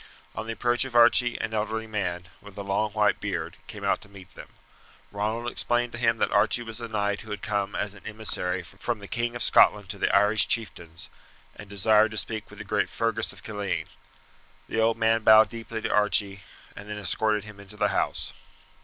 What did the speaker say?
On the approach of Archie an elderly man, with a long white beard, came out to meet them. Ronald explained to him that Archie was a knight who had come as an emissary from the King of Scotland to the Irish chieftains, and desired to speak with the great Fergus of Killeen. The old man bowed deeply to Archie, and then escorted him into the house.